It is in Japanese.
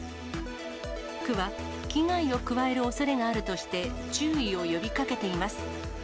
区は危害を加えるおそれがあるとして、注意を呼びかけています。